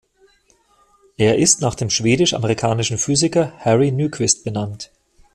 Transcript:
Es ist nach dem schwedisch-amerikanischen Physiker Harry Nyquist benannt.